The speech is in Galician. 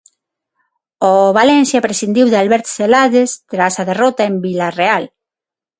O Valencia prescindiu de Albert Celades tras a derrota en Vilarreal.